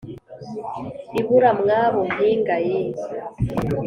ibura mwabo mpinga ye